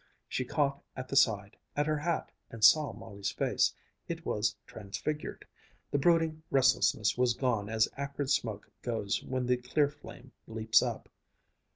She caught at the side, at her hat, and saw Molly's face. It was transfigured. The brooding restlessness was gone as acrid smoke goes when the clear flame leaps up.